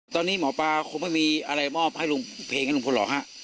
ตอนนี้หมอปลาคงไม่มีอธิบายให้ลุงคนหรอคระ